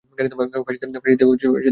ফাঁসিতে ঝুলাও তাদের!